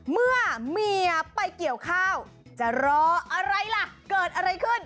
เมื่อเมียไปเกี่ยวข้าวจะรออะไรล่ะเกิดอะไรขึ้น